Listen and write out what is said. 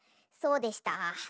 そうでした。